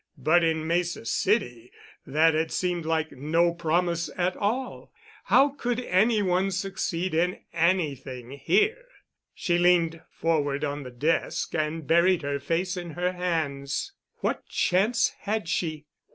But in Mesa City that had seemed like no promise at all. How could any one succeed in anything here? She leaned forward on the desk and buried her face in her hands. What chance had she?